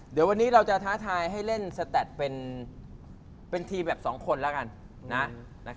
เดี๋ยววันนี้เราจะท้าทายให้เล่นสแตดเป็นทีมแบบสองคนแล้วกัน